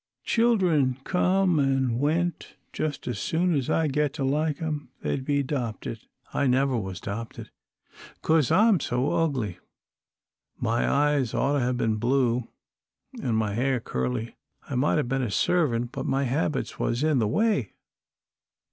Children come an' went. Just as soon as I'd get to like 'em they'd be 'dopted; I never was 'dopted, 'cause I'm so ugly. My eyes ought to 'a' been blue, an' my hair curly. I might 'a' been a servant, but my habits was in the way."